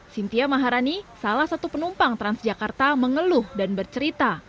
cynthia maharani salah satu penumpang transjakarta mengeluh dan bercerita